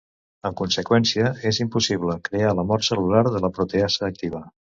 En conseqüència, és impossible crear la mort cel·lular de la proteasa activa.